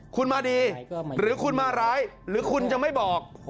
คุณมาดีหรือคุณมาร้ายหรือคุณจะไม่บอก